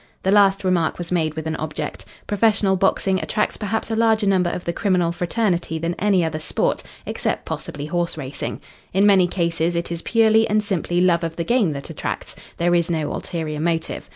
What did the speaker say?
The last remark was made with an object. Professional boxing attracts perhaps a larger number of the criminal fraternity than any other sport, except, possibly, horse racing. In many cases, it is purely and simply love of the game that attracts. There is no ulterior motive.